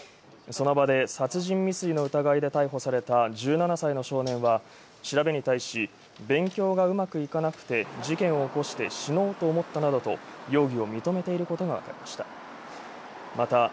その場で殺人未遂の疑いで逮捕された１７歳の少年は調べに対し、「勉強がうまくいかなくて事件を起こして死のうと思った」などと容疑を認めていることがわかりました。